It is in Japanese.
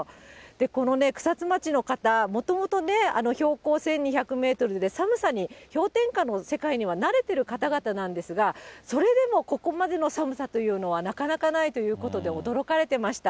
この草津町の方、もともと標高１２００メートルで、寒さに氷点下の世界には慣れてる方々なんですが、それでもここまでの寒さというのは、なかなかないということで、驚かれてました。